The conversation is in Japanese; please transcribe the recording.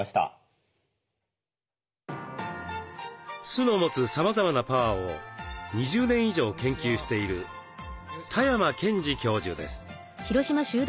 酢の持つさまざまなパワーを２０年以上研究している多山賢二教授です。